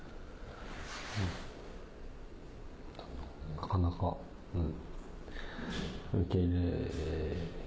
なかなかうん。